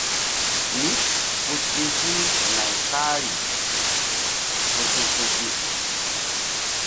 Mí ku ti̧h tul nay kara ku su̧su̧pi.